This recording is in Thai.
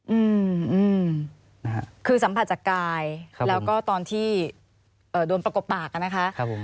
อืมคือสัมผัสจากกายแล้วก็ตอนที่โดนประกบปาก